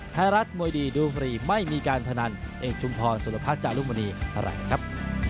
ไทยรัฐมวยดีดูฟรีไม่มีการพนันเอกชุมพรสุรพักษณ์จากลูกมณีแหล่งครับ